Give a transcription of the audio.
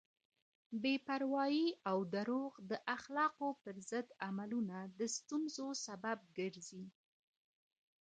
بې پروایی او دروغ د اخلاقو پر ضد عملونه د ستونزو سبب ګرځي.